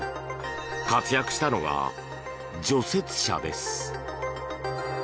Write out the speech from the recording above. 活躍したのが除雪車です。